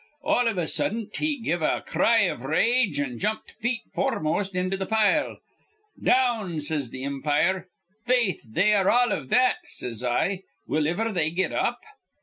All iv a suddent he give a cry iv rage, an' jumped feet foremost into th' pile. 'Down!' says th' impire. 'Faith, they are all iv that,' says I, 'Will iver they get up?'